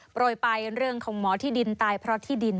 โรยไปเรื่องของหมอที่ดินตายเพราะที่ดิน